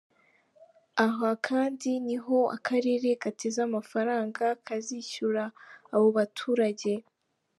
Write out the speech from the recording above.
Aha kandi niho akarere gateze amafaranga kazishyura abo baturage.